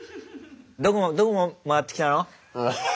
「どこ回ってきたの？」。